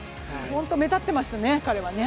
目立ってましたね、彼はね。